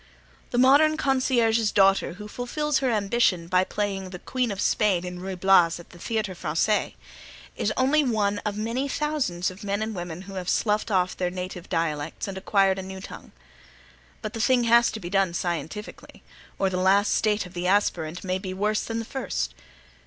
The modern concierge's daughter who fulfils her ambition by playing the Queen of Spain in Ruy Blas at the Theatre Francais is only one of many thousands of men and women who have sloughed off their native dialects and acquired a new tongue. But the thing has to be done scientifically, or the last state of the aspirant may be worse than the first.